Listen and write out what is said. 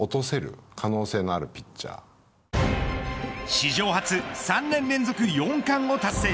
史上初３年連続４冠を達成。